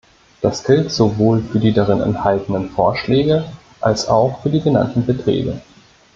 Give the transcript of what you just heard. Das gilt sowohl für die darin enthaltenen Vorschläge als auch für die genannten Beträge.